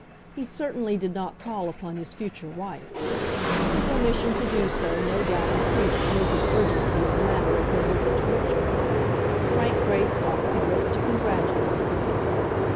He certainly did not call upon his future wife. His omission to do so no doubt increased Lizzie's urgency in the matter of her visit to Richmond. Frank Greystock had written to congratulate her.